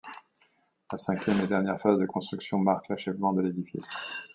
La cinquième et dernière phase de construction marque l’achèvement de l’édifice.